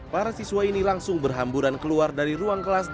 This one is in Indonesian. para siswa ini langsung berhamburan keluar dari ruang kelas